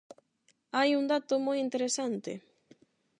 Hai un dato moi interesante.